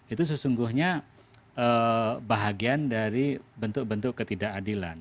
itu sesungguhnya bahagian dari bentuk bentuk ketidakadilan